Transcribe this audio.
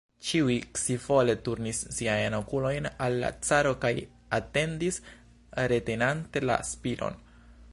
Ĉiuj scivole turnis siajn okulojn al la caro kaj atendis, retenante la spiron.